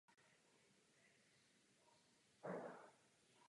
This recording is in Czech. Musí být funkční a nezávislé.